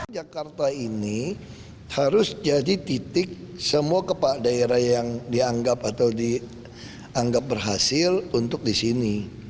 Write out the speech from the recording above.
jakarta ini harus jadi titik semua kepala daerah yang dianggap atau dianggap berhasil untuk di sini